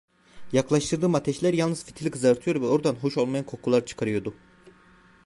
Yaklaştırdığım ateşler yalnız fitili kızartıyor ve oradan hoş olmayan kokular çıkarıyordu.